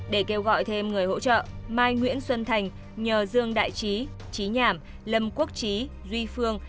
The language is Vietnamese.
để kêu gọi thêm người hỗ trợ mai nguyễn xuân thành nhờ dương đại trí trí nhảm lâm quốc trí duy phương